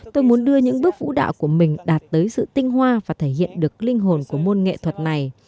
tôi muốn đưa những bước vũ đạo của mình đạt tới sự tinh hoa và thể hiện được linh hồn của môn nghệ thuật này